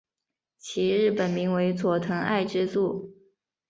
其日本名为佐藤爱之助。